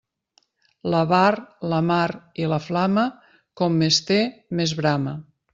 L'avar, la mar i la flama, com més té, més brama.